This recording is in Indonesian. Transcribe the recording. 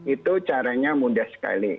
itu caranya mudah sekali